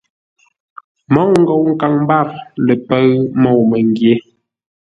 Môu ngou nkaŋ mbâr ləpə̂ʉ môu-məngyě.